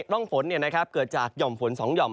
ร่องฝนเกิดจากหย่อมฝน๒หย่อม